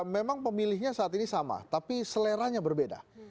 memang pemilihnya saat ini sama tapi seleranya berbeda